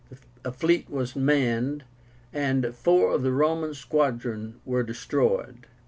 A fleet was manned, and four of the Roman squadron were destroyed.